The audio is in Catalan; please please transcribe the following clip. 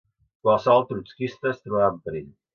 Qualsevol trotskista es trobava en perill